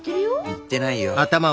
言ってないよ。